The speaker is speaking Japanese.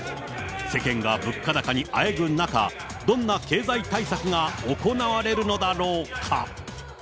世間が物価高にあえぐ中、どんな経済対策が行われるのだろうか。